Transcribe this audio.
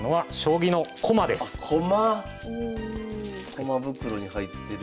駒袋に入ってる。